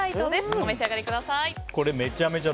お召し上がりください。